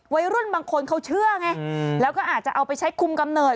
วัยรุ่นบางคนเขาเชื่อไงแล้วก็อาจจะเอาไปใช้คุมกำเนิด